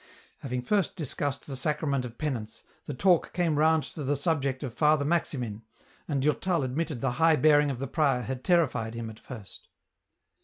Having first discussed the Sacrament of Penance, the talk came round to the subject of Father Maximin, and Durtal admitted the high bearing of the prior had terrified him at first.